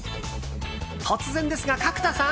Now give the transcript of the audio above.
突然ですが、角田さん！